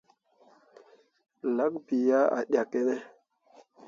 Lak bii ah ɗyakkene ?